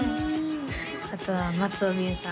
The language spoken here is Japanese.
あとは松尾美佑さん